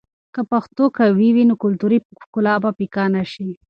که پښتو قوي وي، نو کلتوري ښکلا به پیکه نه شي.